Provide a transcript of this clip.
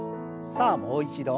さあもう一度。